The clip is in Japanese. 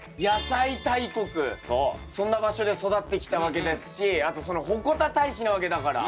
そんな場所で育ってきたわけですしあとその鉾田大使なわけだから。